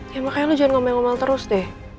ya makanya lu jangan ngomel ngomel terus deh